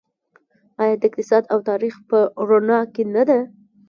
آیا د اقتصاد او تاریخ په رڼا کې نه ده؟